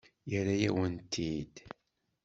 Yerra-yawen-t-id.